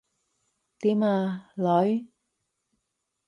點呀，女？